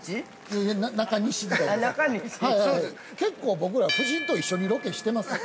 ◆結構僕ら、夫人と一緒にロケしてますよ。